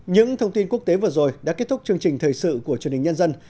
những thông tin quốc tế vừa rồi đã kết thúc chương trình thời sự của truyền hình nhân dân